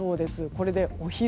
これでお昼。